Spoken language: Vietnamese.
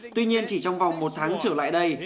tuy nhiên chỉ trong vòng một tháng trở lại đây